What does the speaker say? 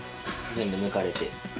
全部抜かれて。